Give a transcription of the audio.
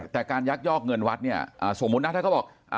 แต่การยักยอกเงินวัดเนี่ยสมมุตินะถ้าเขาบอก